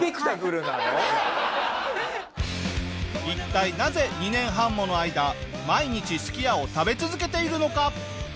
一体なぜ２年半もの間毎日すき家を食べ続けているのか？